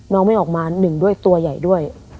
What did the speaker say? ไม่ออกมาหนึ่งด้วยตัวใหญ่ด้วย